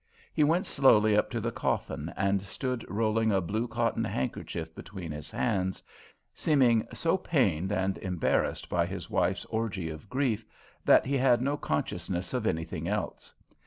He went slowly up to the coffin and stood rolling a blue cotton handkerchief between his hands, seeming so pained and embarrassed by his wife's orgy of grief that he had no consciousness of anything else.